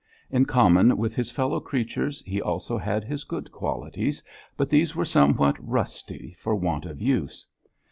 In common with his fellow creatures he also had his good qualities, but these were somewhat rusty for want of use.